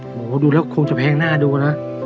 โอ้โหดูแล้วคงจะแพงหน้าดูนะ